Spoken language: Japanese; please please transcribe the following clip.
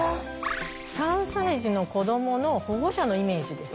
３歳児の子どもの保護者のイメージです。